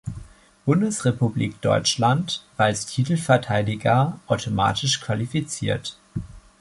Bundesrepublik Deutschland war als Titelverteidiger automatisch qualifiziert.